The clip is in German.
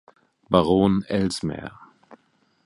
Baron Ellesmere.